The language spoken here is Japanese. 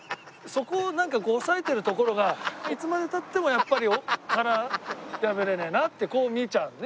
そこをなんか抑えてるところがいつまで経ってもやっぱり殻破れねえなってこう見えちゃうのね